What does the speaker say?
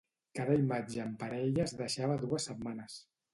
Cada imatge en parella es deixava dues setmanes.